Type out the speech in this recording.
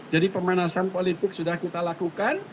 jadi pemanasan politik sudah kita lakukan